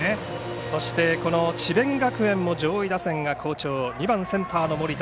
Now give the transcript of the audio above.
そして智弁学園の上位打線が、好調２番センターの森田。